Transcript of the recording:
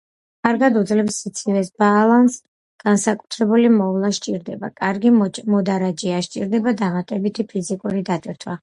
კარგად უძლებს სიცივეს, ბალანს განსაკუთრებული მოვლა სჭირდება, კარგი მოდარაჯეა, სჭირდება დამატებითი ფიზიკური დატვირთვა.